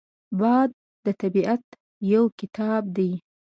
باد د طبیعت یو کتاب دی